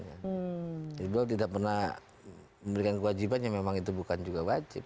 ridho tidak pernah memberikan kewajiban yang memang itu bukan juga wajib